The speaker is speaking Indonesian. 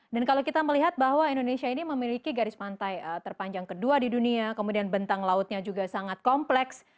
dan kalau kita melihat bahwa indonesia ini memiliki garis pantai terpanjang kedua di dunia kemudian bentang lautnya juga sangat kompleks